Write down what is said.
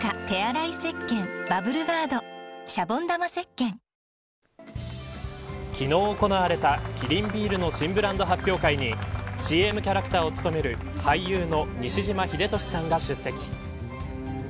今日から発売される昨日行われたキリンビールの新ブランド発表会にＣＭキャラクターを務める俳優の西島秀俊さんが出席。